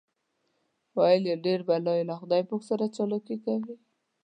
ویل یې ډېر بلا یې له خدای پاک سره چالاکي کوي.